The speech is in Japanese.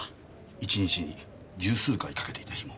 １日に十数回かけていた日も。